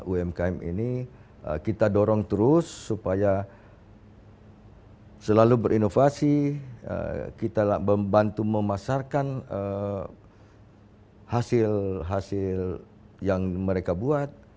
umkm ini kita dorong terus supaya selalu berinovasi kita membantu memasarkan hasil hasil yang mereka buat